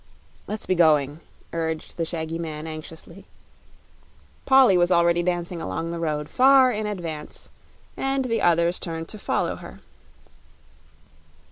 "Let's be going," urged the shaggy man, anxiously. Polly was already dancing along the road, far in advance, and the others turned to follow her.